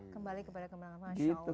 kembali kepada kemenangan